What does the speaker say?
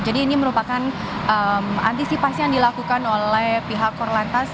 jadi ini merupakan antisipasi yang dilakukan oleh pihak korlantas